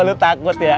lo takut ya